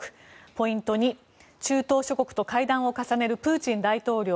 ポイント２、中東諸国と会談を重ねるプーチン大統領。